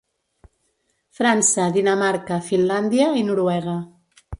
França, Dinamarca, Finlàndia i Noruega.